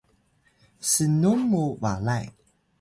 snun mu balay